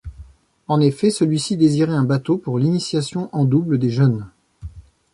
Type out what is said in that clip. En effet, celui-ci désirait un bateau pour l'initiation en double des jeunes.